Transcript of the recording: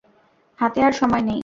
হাতে আর সময় নেই।